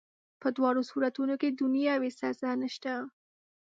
په دواړو صورتونو کي دنیاوي سزا نسته.